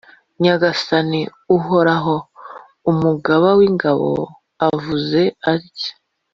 Nyagasani Uhoraho, Umugaba w’ingabo avuze atya: